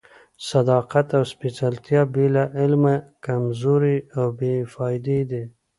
صداقت او سپېڅلتیا بې له علمه کمزوري او بې فائدې دي.